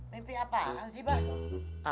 mimpi apaan sih mbah